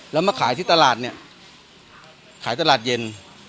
แล้วมาขายที่ตลาดเนี่ยขายตลาดเย็น